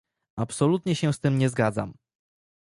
Absolutnie się z tym nie zgadzam